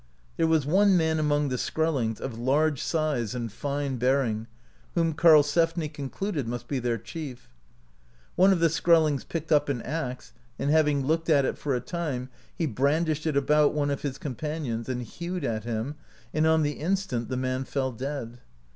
There w^as one man among the Skrellings, of large size and fine bearing, whom Karlsefni concluded must be their chief. One of the Skrellings picked up an axe, and having looked at it for a time, he brandished it about one of his companions, and hew^ed at him, and on the instant the man fell dead.